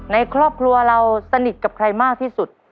ในครอบครัวเราสนิทกับใครมากที่สุด